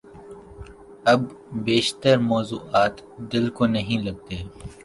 اب بیشتر موضوعات دل کو نہیں لگتے۔